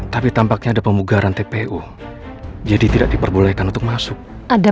tapi tampaknya ada pemugaran tpu jadi tidak diperbolehkan untuk masuk